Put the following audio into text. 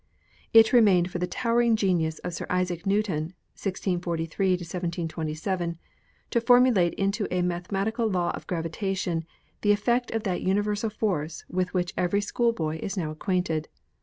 It remained for the towering genius of Sir Isaac Newton (1643 1727) to formulate into a mathemati cal law of gravitation the effect of that universal force with which every schoolboy is now acquainted.